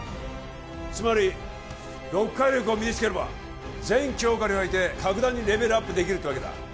つまり読解力を身につければ全教科において格段にレベルアップできるってわけだ